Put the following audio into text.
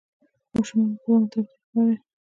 د ماشومانو په وړاندې تاوتریخوالی